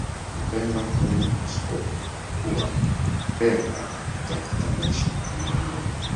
Mpemba huenda kusikokua Pemba kutafuta maisha na maendeleo